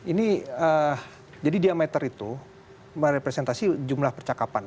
ini jadi diameter itu merepresentasi jumlah percakapan